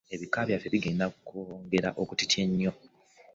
Ebika byaffe bigenda kwongera okutinta ennyo.